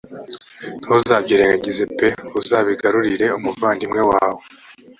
ntuzabyirengagize p uzabigarurire umuvandimwe wawe